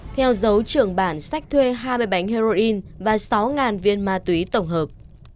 theo dấu trưởng bản sách thuê hai mươi bánh heroin và sáu viên ma túy tổng hợp